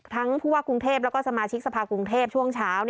ผู้ว่ากรุงเทพแล้วก็สมาชิกสภาคกรุงเทพช่วงเช้า